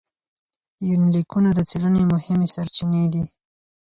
يونليکونه د څېړنې مهمې سرچينې دي.